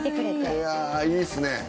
いやあいいですね。